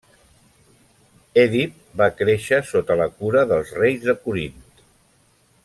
Èdip va créixer sota la cura dels reis de Corint.